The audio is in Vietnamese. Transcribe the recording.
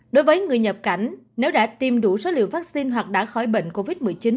đối với người nhập cảnh nếu đã tiêm đủ số liều vaccine hoặc đã khỏi bệnh covid một mươi chín